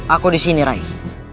aku disini raih